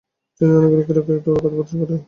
তিনি অনেকগুলো ক্রীড়ায় দক্ষতা প্রদর্শন করেন।